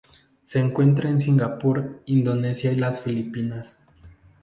Se encuentra en Singapur, Indonesia y las Filipinas.